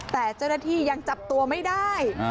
แต่เจ้าหน้าที่ยังจับตัวไม่ได้